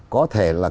có thể là